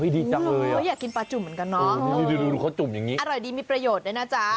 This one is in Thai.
ดีจังเลยอ่ะดูตรงคตจุ่มอย่างนี้นะจ๊ะ